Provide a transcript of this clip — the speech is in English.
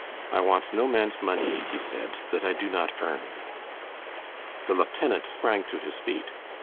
"I want no man's money," he said, "that I do not earn." The lieutenant sprang to his feet.